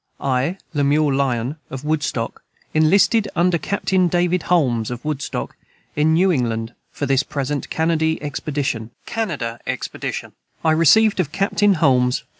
I Lemuel Lyon of Woodstock Inlisted under Captain David holms of Woodstock in newingLand For this present Cannody Expordition I Received of Captain Holms £2.